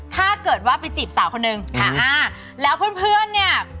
ถ้าเกิดว่าไปจีบสาวคนหนึ่งแล้วเพื่อนเนี่ย